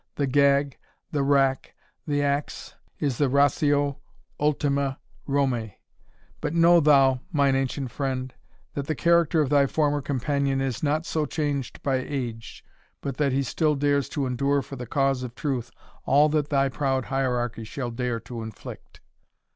the gag the rack the axe is the ratio ultima Romae. But know thou, mine ancient friend, that the character of thy former companion is not so changed by age, but that he still dares to endure for the cause of truth all that thy proud hierarchy shall dare to inflict."